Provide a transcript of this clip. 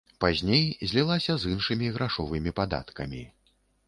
Пазней злілася з іншымі грашовымі падаткамі.